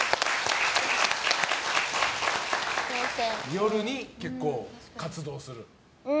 夜に結構活動する？